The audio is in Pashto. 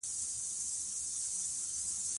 تنوع د افغانستان د امنیت په اړه هم اغېز لري.